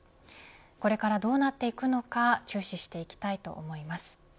これからどうなっていくのか注視していきたいと思います。